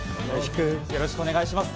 よろしくお願いします。